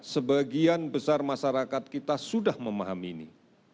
sebagian besar masyarakat kita sudah memahami ini